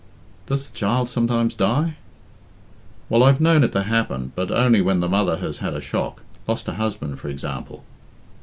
"Does the child sometimes die?" "Well, I've known it to happen, but only when the mother has had a shock lost her husband, for example."